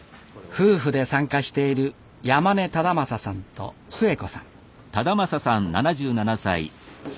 夫婦で参加している山根忠正さんとすゑ子さん。